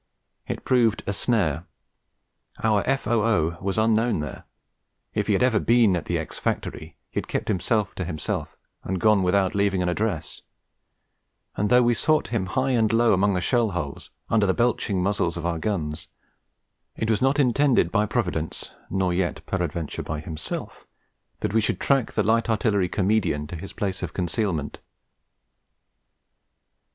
It proved a snare. Our F.O.O. was unknown there; if he had ever been at the ex factory, he had kept himself to himself and gone without leaving an address; and though we sought him high and low among the shell holes, under the belching muzzles of our guns, it was not intended by Providence (nor yet peradventure by himself) that we should track that light artillery comedian to his place of concealment.